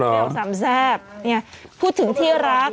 เรื่องสามแซ่บพูดถึงที่รัก